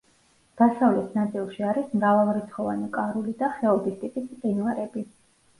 დასავლეთ ნაწილში არის მრავალრიცხოვანი კარული და ხეობის ტიპის მყინვარები.